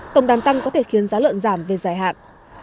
tổng đàn tăng có thể khiến giá lợn giảm về dài hạn